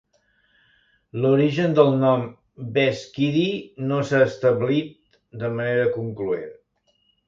L'origen del nom "beskydy" no s'ha establit de manera concloent.